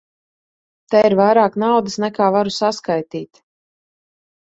Te ir vairāk naudas, nekā varu saskaitīt.